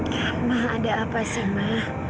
mama ada apa sama